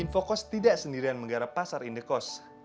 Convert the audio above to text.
infocos tidak sendirian menggarap pasar indekos